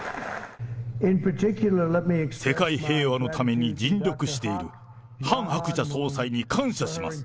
世界平和のために尽力しているハン・ハクチャ総裁に感謝します。